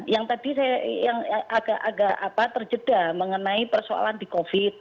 yang tadi saya yang agak terjeda mengenai persoalan di covid